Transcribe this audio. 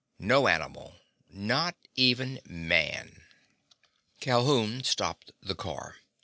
No animal. Not even Man. Calhoun stopped the car.